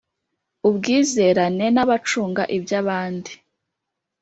ubwizerane n abacunga iby abandi